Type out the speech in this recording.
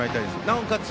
なおかつ